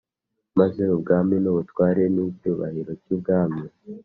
Maze ubwami n ubutware n icyubahiro cy ubwami